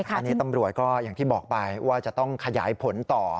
อันนี้ตำรวจก็อย่างที่บอกไปว่าจะต้องขยายผลต่อ